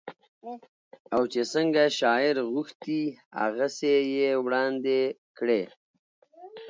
او چې څنګه شاعر غوښتي هغسې يې وړاندې کړې